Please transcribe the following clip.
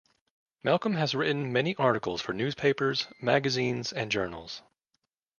Malcolm has written many articles for newspapers, magazines and journals.